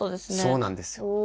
そうなんですよ。